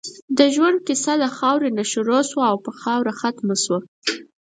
د ژؤند قیصه د خاؤرې نه شروع شوه او پۀ خاؤره ختمه شوه